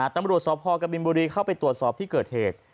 ตำรวจสพกบินบุรีเข้าไปตรวจสอบที่เกิดเหตุ